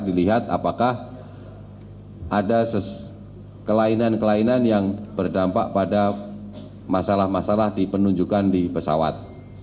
dilihat apakah ada kelainan kelainan yang berdampak pada masalah masalah di penunjukan di pesawat